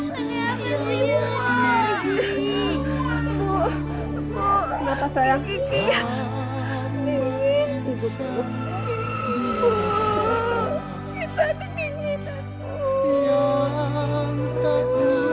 kita boleh bikin salah ibu bu